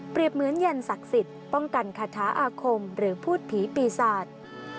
เหมือนยันศักดิ์สิทธิ์ป้องกันคาถาอาคมหรือพูดผีปีศาจ